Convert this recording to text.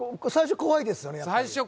最初怖いですよね？